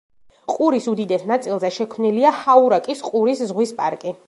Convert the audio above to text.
ყურის უდიდეს ნაწილზე შექმნილია ჰაურაკის ყურის ზღვის პარკი.